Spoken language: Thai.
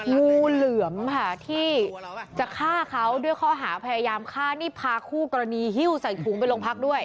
งูเหลือมค่ะที่จะฆ่าเขาด้วยข้อหาพยายามฆ่านี่พาคู่กรณีฮิ้วใส่ถุงไปโรงพักด้วย